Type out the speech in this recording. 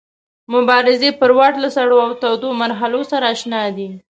مبارزې پر واټ له سړو او تودو مرحلو سره اشنا دی.